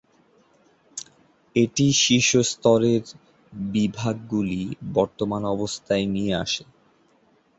এটি শীর্ষ স্তরের বিভাগগুলি বর্তমান অবস্থায় নিয়ে আসে।